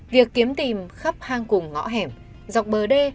việc kiếm tìm khắp hang cùng ngõ hẻm dọc bờ đê